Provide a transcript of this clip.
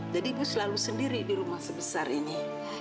jadi ibu selalu sendiri di rumah sebesar ini